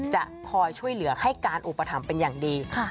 จะคอยช่วยเหลือให้การอุปถัมภ์เป็นอย่างดี